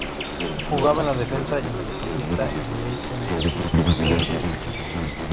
Jugaba de defensa y mediocampista y militó en diversos equipos de Chile.